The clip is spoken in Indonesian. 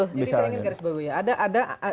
jadi saya ingin garis bawah ya